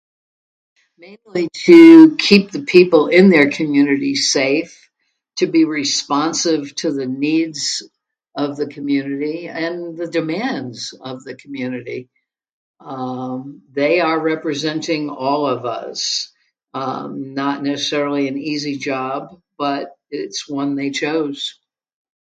Mainly to keep the people in their community safe, to be responsive to the needs of the community, and the demands of the community. Um, they are representing all of us, um, not necessarily an easy job, but it's one they chose.